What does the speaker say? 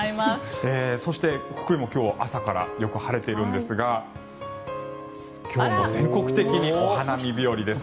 そして、福井も今日朝からよく晴れているんですが今日も全国的にお花見日和です。